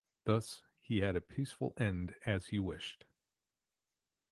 Thus, he had a peaceful end as he wished.